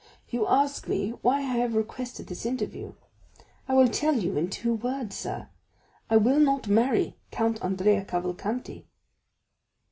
You ask me why I have requested this interview; I will tell you in two words, sir; I will not marry count Andrea Cavalcanti."